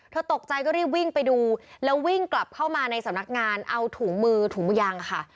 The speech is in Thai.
ตกใจก็รีบวิ่งไปดูแล้ววิ่งกลับเข้ามาในสำนักงานเอาถุงมือถุงยางค่ะ